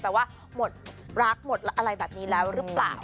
ว่าหมดรักหมดอะไรแบบนี้แล้วหรือเปล่า